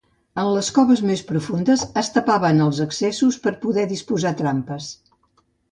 En les coves més profundes es tapaven els accessos per poder disposar trampes.